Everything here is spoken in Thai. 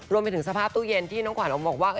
รวมไปถึงสภาพตู้เย็นที่น้องขวัญบอกว่า